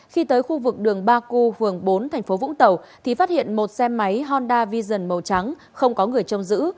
khi tới khu vực đường ba cư hường bốn tp vũng tàu thì phát hiện một xe máy honda vision màu trắng không có người trông giữ